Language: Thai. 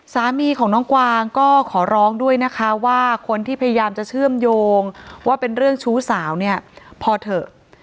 สามีของน้องกวางก็ขอร้องด้วยนะคะว่าคนที่พยายามจะเชื่อมโยงว่าเป็นเรื่องชู้สาวเนี่ยพอเถอะ